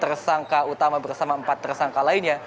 tersangka utama bersama empat tersangka lainnya